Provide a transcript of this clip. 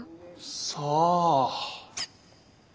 さあ？